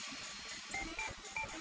mereka semua sudah berhenti